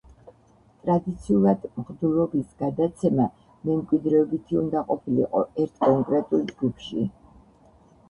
ტრადიციულად მღვდლობის გადაცემა მემკვიდრეობითი უნდა ყოფილიყო ერთ კონკრეტულ ჯგუფში.